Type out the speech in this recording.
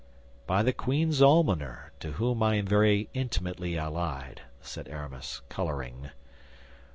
"By the queen's almoner, to whom I am very intimately allied," said Aramis, coloring.